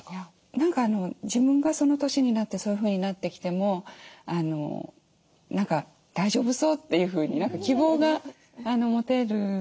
何か自分がその年になってそういうふうになってきても何か大丈夫そうっていうふうに何か希望が持てるように思いましたね。